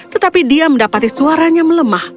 tetapi dia mendapati suaranya melemah